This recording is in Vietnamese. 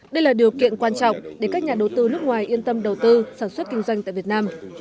đây là điều kiện quan trọng để các nhà đầu tư nước ngoài yên tâm đầu tư sản xuất kinh doanh tại việt nam